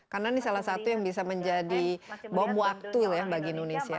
karena ini salah satu yang bisa menjadi bom waktu bagi indonesia